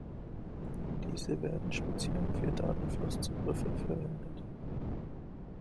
Diese werden speziell für Datenfluss-Zugriffe verwendet.